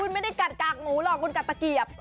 คุณไม่ได้กัดกากหมูหรอกคุณกัดตะเกียบ